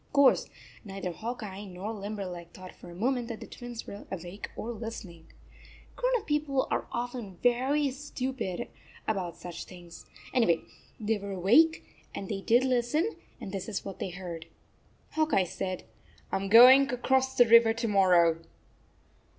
Of course neither Hawk Eye nor Limberleg thought for a moment that the Twins were awake or listening. Grown people are often very stupid aboyt such things ! Any way, they were awake, 4 and they did listen, and this is what they heard. Hawk Eye said, "I am going across the river to morrow."